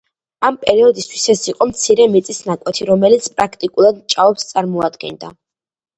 ამ პერიოდისთვის ეს იყო მცირე მიწის ნაკვეთი, რომელიც პრაქტიკულად ჭაობს წარმოადგენდა.